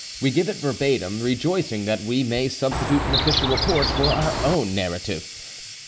We give it verbatim, rejoicing that we may substitute an official report for our own narrative.